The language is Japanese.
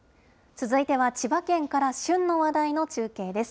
続いては千葉県から旬の話題の中継です。